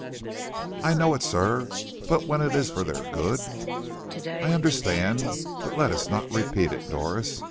"I know it, sir, but when it is for their good " "I understand; but let us not repeat it, Doris."